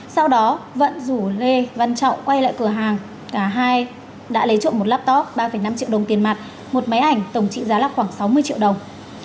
sau đó vận rủ lê văn trọng quay lại cửa hàng cả hai đã lấy trộm một laptop ba năm triệu đồng tiền mặt một máy ảnh tổng trị giá là khoảng sáu mươi triệu đồng